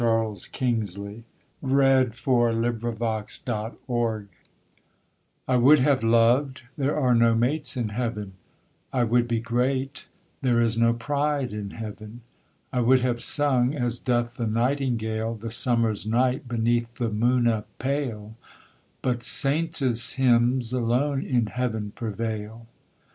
Helston, 1835. IN AN ILLUMINATED MISSAL I would have loved: there are no mates in heaven; I would be great: there is no pride in heaven; I would have sung, as doth the nightingale The summer's night beneath the moone pale, But Saintes hymnes alone in heaven prevail.